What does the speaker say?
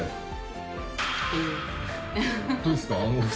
どうですか？